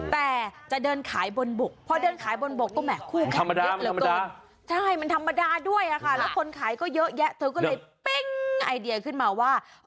แต่จะเดินขายบนบุกเพราะเดินขายบนบุกก็แหม่งคู่แค่เดี๋ยว